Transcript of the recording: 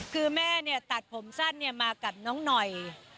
คือแม่ตัดผมสั้นมากับน้องหน่อย